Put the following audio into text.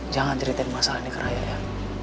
jangan ceritain masalah ini ke raya ya